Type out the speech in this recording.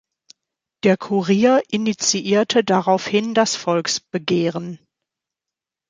Der Kurier initiierte daraufhin das Volksbegehren.